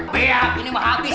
biak ini mah habis